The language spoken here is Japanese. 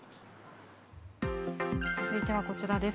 続いてはこちらです。